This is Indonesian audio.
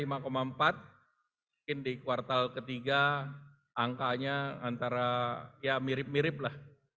mungkin di kuartal ketiga angkanya antara ya mirip mirip lah